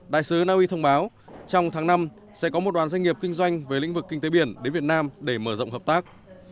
đại sứ naui thông báo trong tháng năm sẽ có một đoàn doanh nghiệp kinh doanh về lĩnh vực kinh tế biển đến việt nam để mở rộng hợp tác